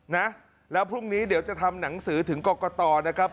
นะแล้วพรุ่งนี้เดี๋ยวจะทำหนังสือถึงกรกตนะครับ